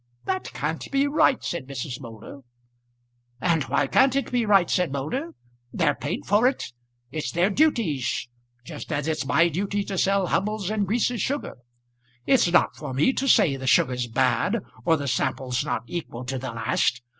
"That can't be right," said Mrs. Moulder. "And why can't it be right?" said Moulder. "They're paid for it; it's their duties; just as it's my duty to sell Hubbles and Grease's sugar. It's not for me to say the sugar's bad, or the samples not equal to the last.